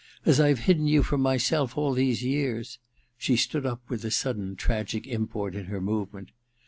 As I've hidden you from myself all these years !' She stood up with a sudden tragic import in her movement.